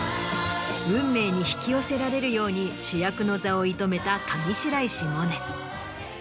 運命に引き寄せられるように主役の座を射止めた上白石萌音。